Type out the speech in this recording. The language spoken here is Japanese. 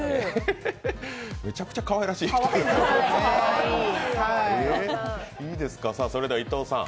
むちゃくちゃかわいらしい人やん。